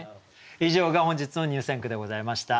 以上が本日の入選句でございました。